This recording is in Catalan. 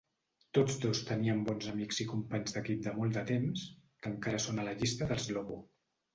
Tots dos tenien bons amics i companys d'equip de molt de temps que encara són a la llista dels Lobo.